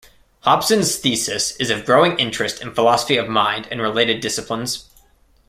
Hobson's thesis is of growing interest in Philosophy of Mind and related disciplines.